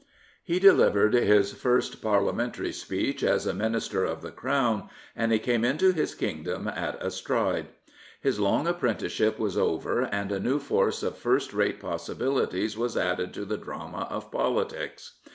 He delivered his first Parliamentary speech as a Minister of the Crown, and he came into his kingdom at a stride. His long apprenticeship was over, and a new force of first rate possibilities was added to the drama of politics.